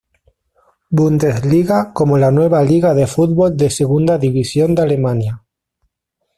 Bundesliga como la nueva liga de fútbol de segunda división de Alemania.